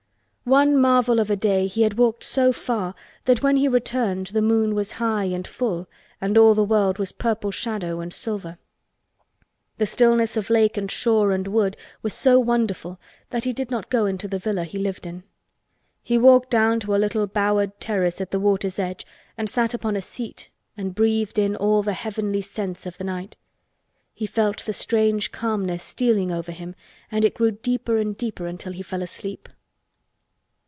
One marvel of a day he had walked so far that when he returned the moon was high and full and all the world was purple shadow and silver. The stillness of lake and shore and wood was so wonderful that he did not go into the villa he lived in. He walked down to a little bowered terrace at the water's edge and sat upon a seat and breathed in all the heavenly scents of the night. He felt the strange calmness stealing over him and it grew deeper and deeper until he fell asleep.